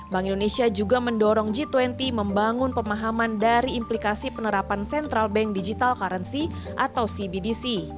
bank indonesia juga mendorong g dua puluh membangun pemahaman dari implikasi penerapan central bank digital currency atau cbdc